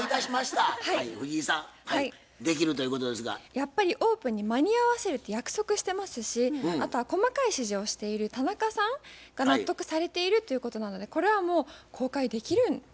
やっぱりオープンに間に合わせるって約束してますしあとは細かい指示をしている田中さんが納得されているということなのでこれはもう公開できるんではないでしょうか。